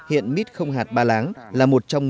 hiện mít không hạt ba láng là một trong một mươi một